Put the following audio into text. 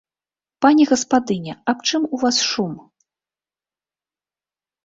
Пані гаспадыня, аб чым у вас шум?